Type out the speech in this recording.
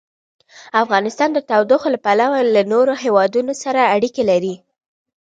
افغانستان د تودوخه له پلوه له نورو هېوادونو سره اړیکې لري.